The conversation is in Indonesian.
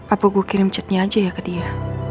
apa gue kirim chatnya aja ya ke dia